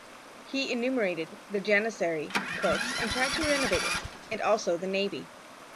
He enumerated the Janissary corps and tried to renovate it, and also the navy.